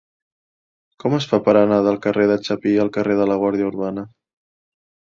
Com es fa per anar del carrer de Chapí al carrer de la Guàrdia Urbana?